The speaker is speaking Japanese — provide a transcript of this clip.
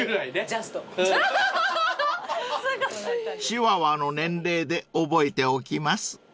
［チワワの年齢で覚えておきます］